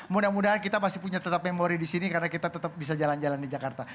mudah mudahan kita masih punya tetap memori di sini karena kita tetap bisa jalan jalan di jakarta